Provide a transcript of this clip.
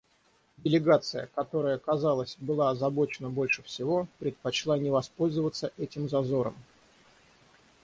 Делегация, которая, казалось, была озабочена больше всего, предпочла не воспользоваться этим зазором.